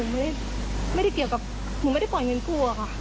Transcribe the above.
มันไม่ได้เกี่ยวกับมันไม่ได้ปล่อยเงินกลัวค่ะ